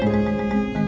bapak juga begitu